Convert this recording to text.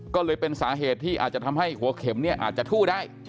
ก็เลยเป็นสาเหตุที่อาจจะทำให้หัวเข็มเนี่ยอาจจะทู่ได้